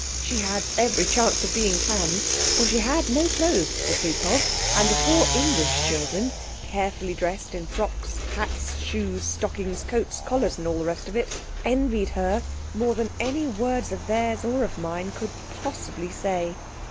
She had every chance of being tanned, for she had no clothes to speak of, and the four English children, carefully dressed in frocks, hats, shoes, stockings, coats, collars, and all the rest of it, envied her more than any words of theirs or of mine could possibly say.